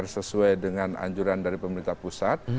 sesuai dengan anjuran dari pemerintah pusat